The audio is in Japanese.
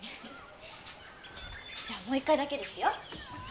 じゃあもう一回だけですよ。